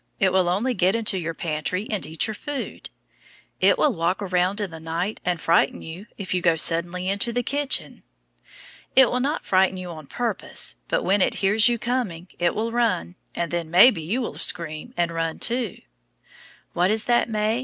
It will only get into your pantry and eat your food. It will walk around in the night and frighten you if you go suddenly into the kitchen. It will not frighten you on purpose, but when it hears you coming, it will run, and then maybe you will scream and run too. What is that, May?